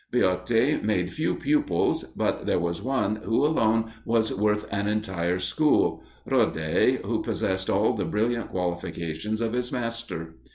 Viotti made few pupils; but there was one who alone was worth an entire school: Rode, who possessed all the brilliant qualifications of his master.